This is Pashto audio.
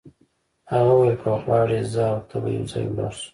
هغه وویل که غواړې زه او ته به یو ځای ولاړ شو.